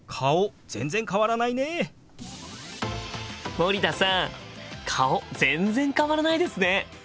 森田さん顔全然変わらないですね！